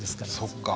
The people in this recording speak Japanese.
そっか。